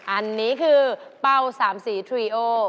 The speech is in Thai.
อันนี้คือเป้าสามสีทรีโอ